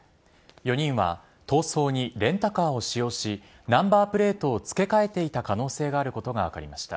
４人は、逃走にレンタカーを使用し、ナンバープレートを付け替えていた可能性があることが分かりました。